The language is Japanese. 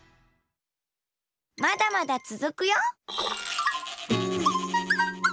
まだまだつづくよ！